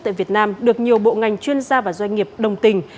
tại việt nam được nhiều bộ ngành chuyên gia và doanh nghiệp đồng tình